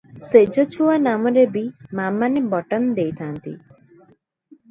ଶେଯ ଛୁଆ ନାମରେ ବି ମାମାନେ ବଟମ ଦେଇଥାନ୍ତି ।